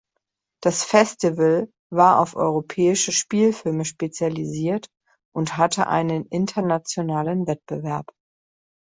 Das Festival war auf europäische Spielfilme spezialisiert und hatte einen internationalen Wettbewerb.